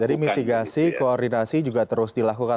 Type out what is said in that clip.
jadi mitigasi koordinasi juga terus dilakukan